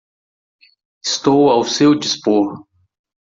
Estou ao seu dispor